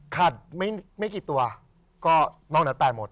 ไม่กี่ตัวก็นอกนั้นตายหมด